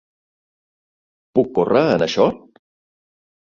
Puc córrer en això?